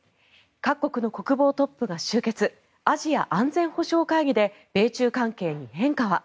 各国の国防トップが集結アジア安全保障会議で米中関係に変化は？